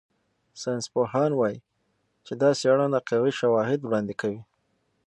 ساینسپوهان وايي چې دا څېړنه قوي شواهد وړاندې کوي.